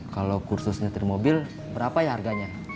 kalau kursus nyetir mobil berapa ya harganya